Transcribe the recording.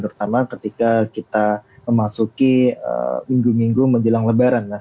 terutama ketika kita memasuki minggu minggu menjelang lebaran mas